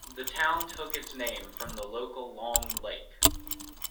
The town took its name from the local Long Lake.